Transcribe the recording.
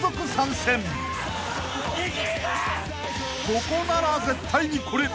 ［ここなら絶対にこれ］